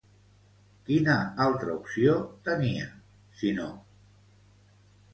Quina altra opció tenia, si no?